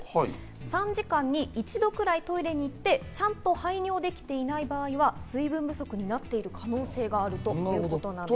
３時間に一度くらいトイレに行って、ちゃんと排尿できていない場合、水分不足になっている可能性があるということなんです。